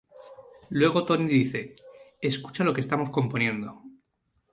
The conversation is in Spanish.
Luego Tony dice: ""Escucha lo que estamos componiendo"".